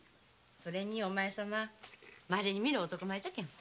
それにお前様まれに見る男前じゃけん。